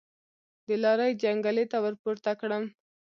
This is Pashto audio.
د لارۍ جنګلې ته ورپورته کړم.